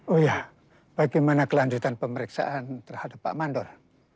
oh iya bagaimana kelanjutan pemeriksaan terhadap pak mandur